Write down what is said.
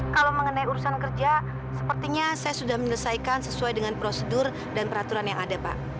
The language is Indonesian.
kalau mengenai urusan kerja sepertinya saya sudah menyelesaikan sesuai dengan prosedur dan peraturan yang ada pak